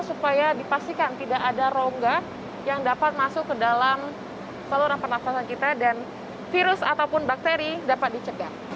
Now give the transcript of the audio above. supaya dipastikan tidak ada rongga yang dapat masuk ke dalam saluran pernafasan kita dan virus ataupun bakteri dapat dicegah